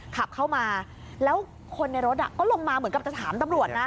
ขับเข้ามาแล้วคนในรถก็ลงมาเหมือนกับจะถามตำรวจนะ